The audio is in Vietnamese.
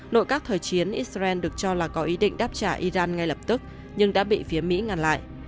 nội các thời chiến israel được cho là có ý định đáp trả iran ngay lập tức nhưng đã bị phía mỹ ngăn lại